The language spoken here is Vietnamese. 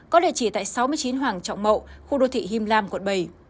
có địa chỉ tại sáu mươi chín hoàng trọng mậu khu đô thị him lam quận bảy